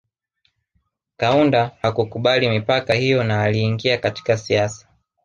Kaunda hakukubali mipaka hiyo na aliingia katika siasa